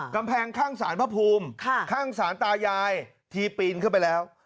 กำแพงข้างสารพระภูมิข้างศาลตายายทีปีนเข้าไปแล้ว